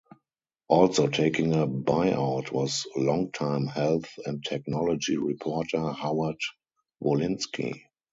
Also taking a buyout was longtime health and technology reporter Howard Wolinsky.